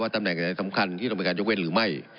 ว่าตำแหน่งอะไรสำคัญที่ต้องไปการยกเวทหรือไม่